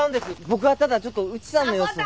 僕はただちょっと内さんの様子を。